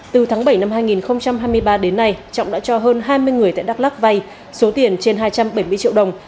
từ tháng bảy năm hai nghìn hai mươi ba đến nay trọng đã cho hơn hai mươi người tại đắk lắc vay số tiền trên hai trăm bảy mươi triệu đồng